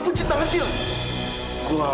fadil bangun dia